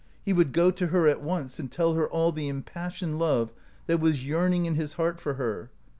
He would go to her at once and tell her all the impassioned love that was yearning in his heart for her.